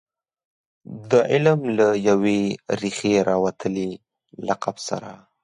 د علم له یوې ریښې راوتلي لقب سره.